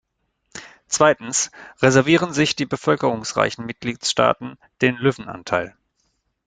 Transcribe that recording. Zweitens reservieren sich die bevölkerungsreichen Mitgliedstaaten den Löwenanteil.